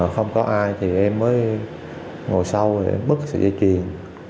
không có ai thì em mới ngồi sau để bức sợi dây chuyền